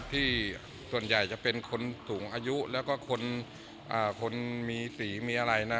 ที่ส่วนใหญ่จะเป็นคนสูงอายุแล้วก็คนมีสีมีอะไรนะ